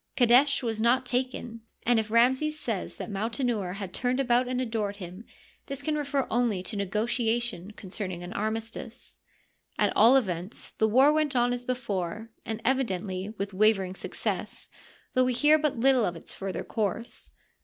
Qadesh was not taken, and if Ramses says that Mautenouer had turned about and adored him, this can refer only to negotiations concerning an armistice. At all events, the war went on as before, and evidently with wavering success, though we hear but little of its further course.